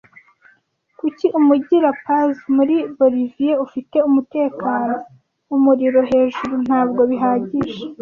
Kuki umujyi La Paz muri Boliviya ufite umutekano umuriro - Hejuru - Ntabwo bihagije